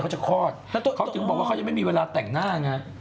ก็ไม่รู้ทำไมเสิร์ฟเขาจะมีเวลาตักหน้า